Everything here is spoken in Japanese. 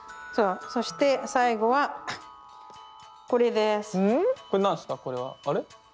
そして最後はこれです。